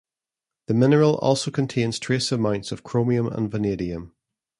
The mineral also contains trace amounts of chromium and vanadium.